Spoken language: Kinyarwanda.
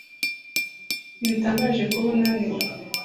ntibitangaje kuba unaniwe.